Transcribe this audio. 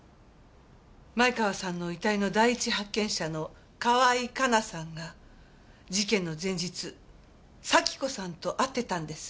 前川さんの遺体の第一発見者の河合加奈さんが事件の前日咲子さんと会ってたんです。